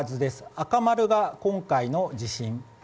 赤丸が今回の地震。